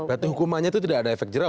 berarti hukumannya itu tidak ada efek jerah